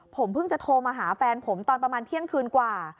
ผมเพิ่งจะโทรมาหาแฟนผมตอนประมาณเที่ยงคืนกว่า